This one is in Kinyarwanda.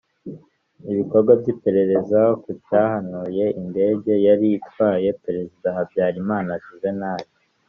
ibikorwa by’iperereza ku cyahanuye indege yari itwaye Perezida Habyarimana Juvenal